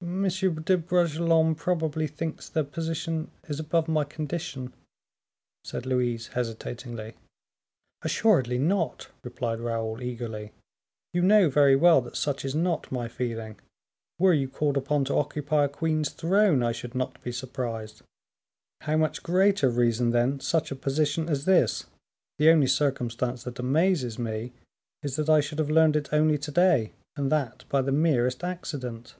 "M. de Bragelonne probably thinks the position is above my condition," said Louise, hesitatingly. "Assuredly not," replied Raoul, eagerly, "you know very well that such is not my feeling; were you called upon to occupy a queen's throne, I should not be surprised; how much greater reason, then, such a position as this? The only circumstance that amazes me is, that I should have learned it only to day, and that by the merest accident."